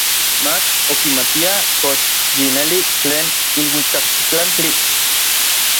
Mach okimatia kox yi neli tlen iluikaktitlantli.